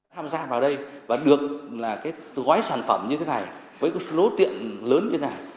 tham gia vào đây và được gói sản phẩm như thế này với số tiền lớn như thế này